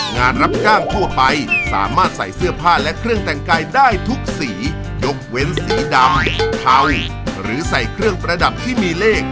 งานราชการควรใส่เสื้อผ้าและเครื่องแต่งกายที่มีสีกากี่สีน้ำตาลสีส้มหรือใส่เครื่องประดับที่มีเลข๒๔๕และ๖ครับ